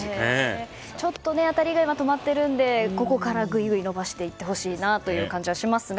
ちょっと今は当たりが止まっているのでここから伸ばしてほしいという感じがしますが。